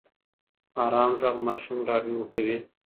ارام غږ ماشوم ډاډمن کوي.